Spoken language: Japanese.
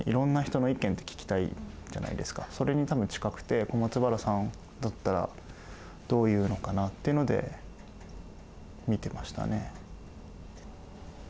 それに多分近くて小松原さんだったらどう言うのかなっていうので見てましたね。